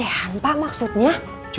pelecehan pak maksudnya